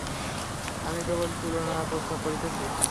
আমি কেবল তুলনার প্রস্তাব করিতেছি।